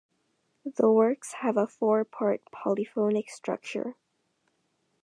The works have a four-part polyphonic structure.